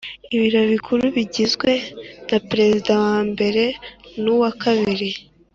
Ibiro Bikuru bigizwe naperezida wa mbere nuwa kabiri